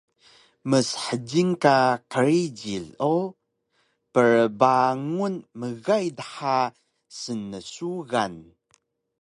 Mshjil ka qrijil o prbangun mgay dha snsugan